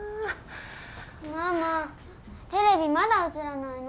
ママテレビまだ映らないの？